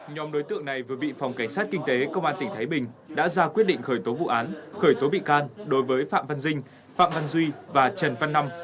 nhóm đối tượng này vừa bị phòng cảnh sát kinh tế công an tỉnh thái bình đã ra quyết định khởi tố vụ án khởi tố bị can đối với phạm văn dinh phạm văn duy và trần văn năm